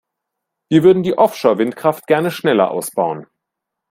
Wir würden die Offshore-Windkraft gerne schneller ausbauen.